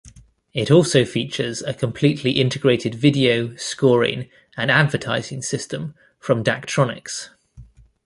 It also features a completely integrated video, scoring and advertising system from Daktronics.